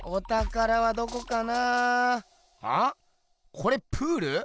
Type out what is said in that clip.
これプール？